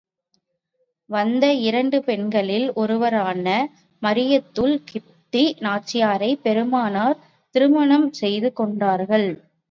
வந்த இரண்டு பெண்களில் ஒருவரான மரிய்யத்துல் கிப்தி நாச்சியாரைப் பெருமானார் திருமணம் செய்து கொண்டார்கள்.